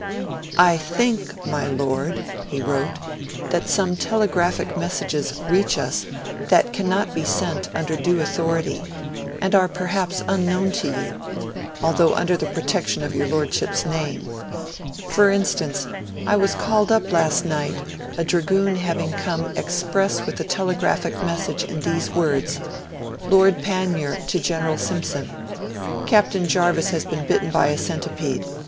'I think, my Lord,' he wrote, 'that some telegraphic messages reach us that cannot be sent under due authority, and are perhaps unknown to you, although under the protection of your Lordship's name. For instance, I was called up last night, a dragoon having come express with a telegraphic message in these words, "Lord Panmure to General Simpson Captain Jarvis has been bitten by a centipede.